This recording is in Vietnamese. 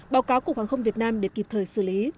báo cáo cục hàng không việt nam để kịp thời xử lý